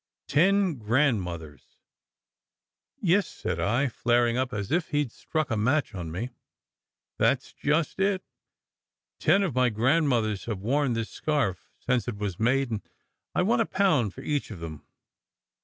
"Ten grandmothers!". "Yes," said I, flaring up as if he d struck a match on me. 12 SECRET HISTORY "That s just it! Ten of my grandmothers have worn this scarf since it was made, and I want a pound for each of them."